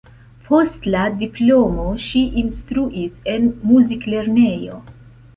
Post la diplomo ŝi instruis en muziklernejo.